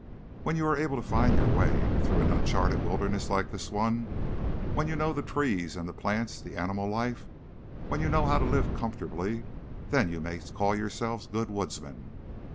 When you are able to find your way through an uncharted wilderness like this one, when you know the trees and the plants, the animal life, when you know how to live comfortably, then you may call yourselves good woodsmen.